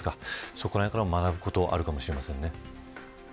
そこらへんからも学ぶことがあるかもしれませんね。